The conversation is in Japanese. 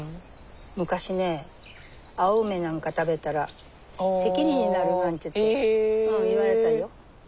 昔ね青梅なんか食べたら赤痢になるなんて言われたよ。